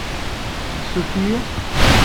Tsuref-iyi?